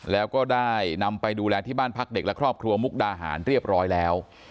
แล้วก็ได้นำไปดูแลที่บ้านพักเด็กและครอบครัวมุกดาหารเรียบร้อยแล้ว